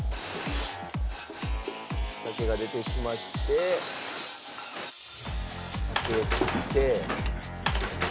竹が出てきまして竹を切って。